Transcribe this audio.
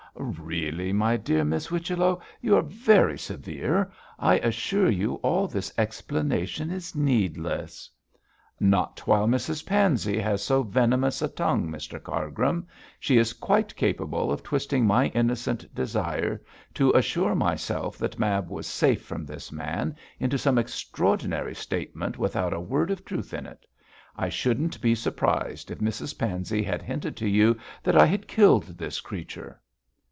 'Really, my dear Miss Whichello, you are very severe; I assure you all this explanation is needless.' 'Not while Mrs Pansey has so venomous a tongue, Mr Cargrim. She is quite capable of twisting my innocent desire to assure myself that Mab was safe from this man into some extraordinary statement without a word of truth in it. I shouldn't be surprised if Mrs Pansey had hinted to you that I had killed this creature.'